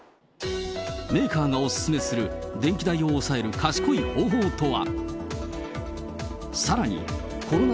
メーカーがお勧めする、電気代を抑える賢い方法とは。